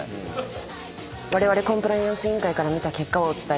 われわれコンプライアンス委員会から見た結果をお伝えします。